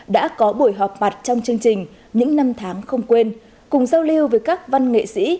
đã có buổi họp mặt trong chương trình những năm tháng không quên cùng giao lưu với các văn nghệ sĩ